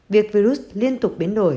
việc virus liên tục biến đổi